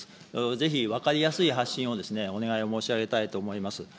ぜひ分かりやすい発信をお願いを申し上げたいと思います。